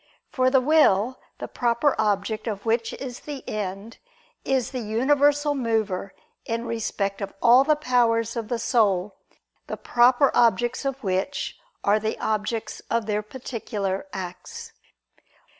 For the will, the proper object of which is the end, is the universal mover in respect of all the powers of the soul, the proper objects of which are the objects of their particular acts.